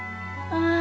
ああ。